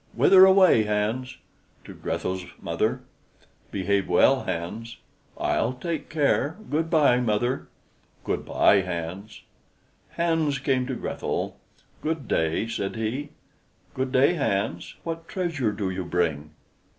"Whither away, Hans?" "To Grethel's, mother." "Behave well, Hans." "I'll take care; good by, mother." "Good by, Hans." Hans came to Grethel. "Good day," said he. "Good day, Hans. What treasure do you bring?"